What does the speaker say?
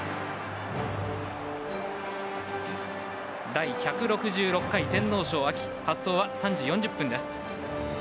第１６６回天皇賞発走は３時４０分です。